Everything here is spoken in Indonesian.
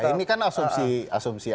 ya hei ini kan asumsi asumsi asumsi saja